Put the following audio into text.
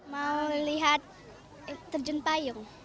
mau lihat terjun payung